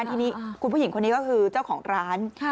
ทีนี้คุณผู้หญิงคนนี้ก็คือเจ้าของร้าน